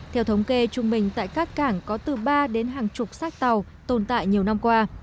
theo thống kê trung bình tại các cảng có từ ba đến hàng chục xác tàu tồn tại nhiều năm qua